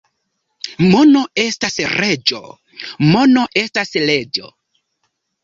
Mono estas reĝo, mono estas leĝo.